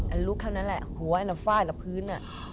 อันลุกครั้งนั้นแหละหัวอันฟ้าอันละพื้น